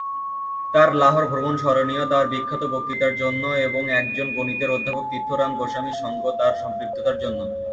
তার লাহোর ভ্রমণ স্মরণীয় তার বিখ্যাত বক্তৃতার জন্য এবং একজন গণিতের অধ্যাপক তীর্থ রাম গোস্বামীর সঙ্গ তার সম্পৃক্ততার জন্য।